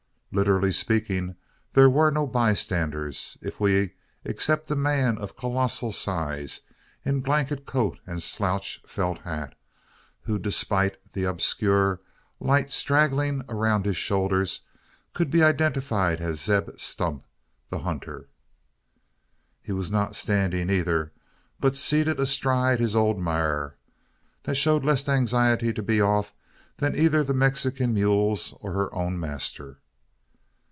Literally speaking, there were no bystanders if we except a man of colossal size, in blanket coat, and slouch felt hat; who, despite the obscure light straggling around his shoulders, could be identified as Zeb Stump, the hunter. He was not standing either, but seated astride his "ole maar," that showed less anxiety to be off than either the Mexican mules or her own master.